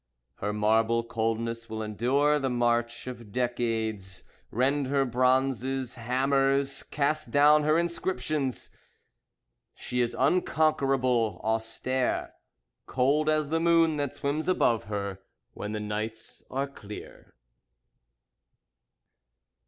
Her marble coldness will endure the march Of decades. Rend her bronzes, hammers; Cast down her inscriptions. She is unconquerable, austere, Cold as the moon that swims above her When the nights are clear.